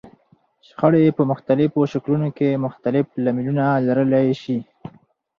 شخړې په مختلفو شکلونو کې مختلف لاملونه لرلای شي.